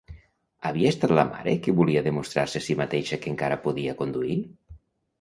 Havia estat la mare qui volia demostrar-se a si mateixa que encara podia conduir?